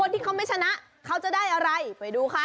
ที่เขาไม่ชนะเขาจะได้อะไรไปดูค่ะ